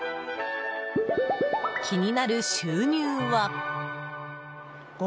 気になる収入は。